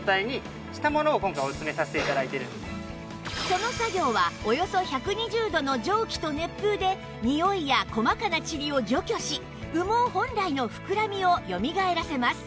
その作業はおよそ１２０度の蒸気と熱風でにおいや細かなチリを除去し羽毛本来の膨らみをよみがえらせます